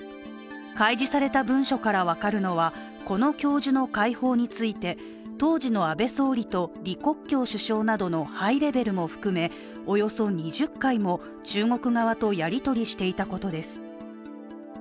開示された文書から分かるのはこの教授の解放について当時の安倍総理と李克強首相などのハイレベルも含めおよそ２０回も中国側とやり取りしていたことです。